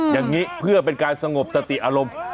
อย่างนี้เพื่อเป็นการสงบสติอารมณ์